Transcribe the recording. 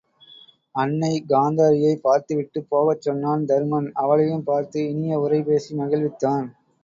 அன்னை காந்தாரியைப் பார்த்துவிட்டுப் போகச் சொன்னான் தருமன் அவளையும் பார்த்து இனிய உரை பேசி மகிழ்வித்தான்.